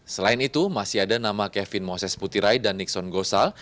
selain itu masih ada nama kevin moses putirai dan nixon gosal